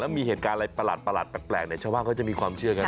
มีเหตุการณ์อะไรประหลาดแปลกชาวบ้านเขาจะมีความเชื่อกัน